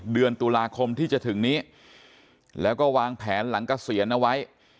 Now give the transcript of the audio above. เดือนตุลาคมที่จะถึงนี้แล้วก็วางแผนหลังเกษียณเอาไว้